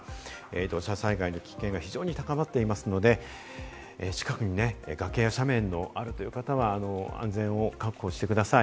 土砂災害の危険が非常に高まっていますので、近くに崖や斜面があるという方は安全を確保してください。